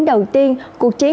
đầu tiên cuộc chiến